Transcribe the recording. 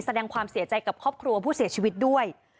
แสดงความเสียใจกับครอบครัวผู้เสียชีวิตด้วย